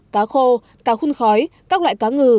cá khô cá khun khói các loại cá ngừ